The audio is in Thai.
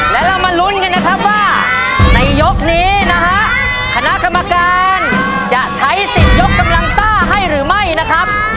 และเรามาลุ้นกันนะครับว่าในยกนี้นะฮะคณะกรรมการจะใช้สิทธิ์ยกกำลังซ่าให้หรือไม่นะครับ